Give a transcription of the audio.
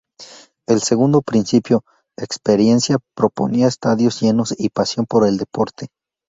El segundo principio, "Experiencia", proponía estadios llenos y pasión por el deporte.